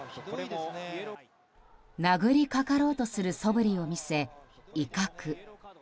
殴りかかろうとするそぶりを見せ威嚇。